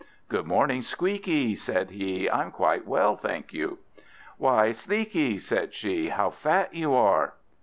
"Good morning, Squeakie," said he; "I'm quite well, thank you." "Why, Sleekie," said she, "how fat you are."